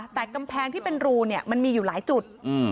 แต่กำแพงที่เป็นรูเนี่ยมันมีอยู่หลายจุด